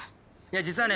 実はね